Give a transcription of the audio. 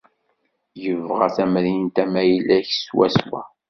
Yebɣa tamrint am ayla-k swaswa.